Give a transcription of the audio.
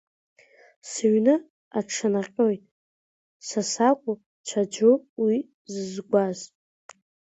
Сыҩны аҽаннаҟьоит, са сакәу ҽаӡәу уи зызгәааз?